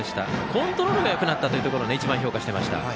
コントロールがよくなったというところを一番、評価していました。